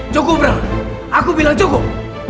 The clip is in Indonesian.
cukup rel aku bilang cukup